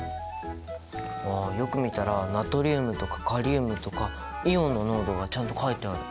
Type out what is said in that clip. ああよく見たらナトリウムとかカリウムとかイオンの濃度がちゃんと書いてある！